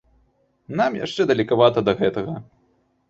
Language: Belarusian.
Нам яшчэ далекавата да гэтага.